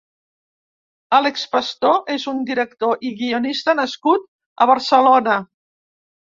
Àlex Pastor és un director i guionista nascut a Barcelona.